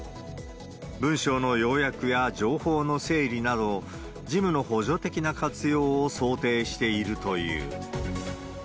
文章の要約や情報の整理など、事務の補助的な活用を想定しているという。